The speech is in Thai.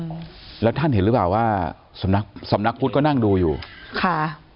อืมแล้วท่านเห็นหรือเปล่าว่าสำนักสำนักพุทธก็นั่งดูอยู่ค่ะ